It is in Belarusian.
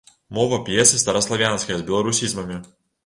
Мова п'есы стараславянская з беларусізмамі.